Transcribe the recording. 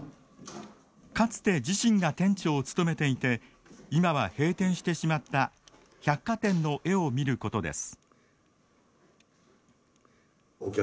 かつて自身が店長を務めていて今は閉店してしまった百貨店の絵を見ることです。